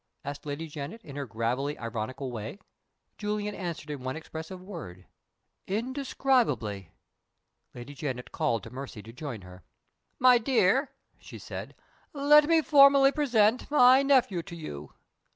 asked Lady Janet, in her gravely ironical way. Julian answered in one expressive word. "Indescribably!" Lady Janet called to Mercy to join her. "My dear," she said, "let me formally present my nephew to you.